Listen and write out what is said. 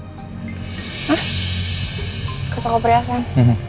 hah ke toko perhiasan